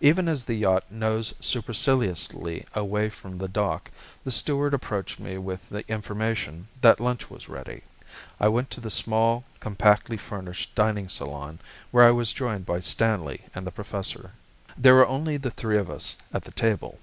Even as the yacht nosed superciliously away from the dock, the steward approached me with the information that lunch was ready. I went to the small, compactly furnished dining salon, where I was joined by Stanley and the professor. There were only the three of us at the table.